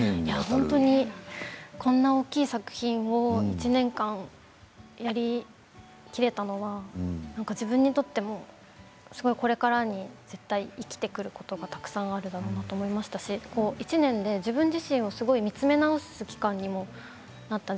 本当にこんな大きい作品を１年間やりきれたのはなんか自分にとってもすごいこれからに絶対生きてくることがたくさんあるなと思いましたし１年で自分自身をすごい見つめ直す機会にもなった。